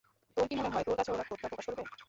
তোর কি মনে হয় তোর কাছে ওরা কোডটা প্রকাশ করবে?